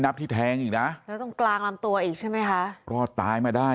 ที่แทงอีกนะแล้วตรงกลางลำตัวอีกใช่ไหมคะรอดตายมาได้